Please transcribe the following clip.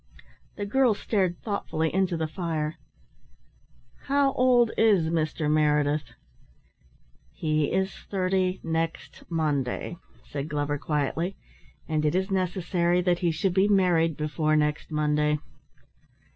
The girl stared thoughtfully into the fire. "How old is Mr. Meredith?" "He is thirty next Monday," said Glover quietly, "and it is necessary that he should be married before next Monday."